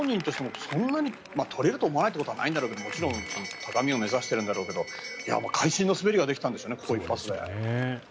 当人としてもそんなに取れると思わないってことはないんだろうけどもちろん高みは目指しているんだろうけどここ一発で会心の滑りができたんでしょうね。